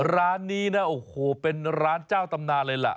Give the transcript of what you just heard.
ร้านนี้นะโอ้โหเป็นร้านเจ้าตำนานเลยล่ะ